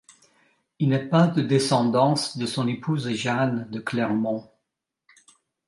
Il n’a pas de descendance de son épouse Jeanne de Clermont.